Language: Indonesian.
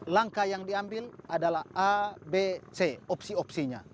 langkah yang diambil adalah a b c opsi opsinya